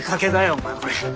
お前これ。